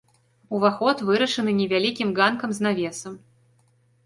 Уваход вырашаны невялікім ганкам з навесам.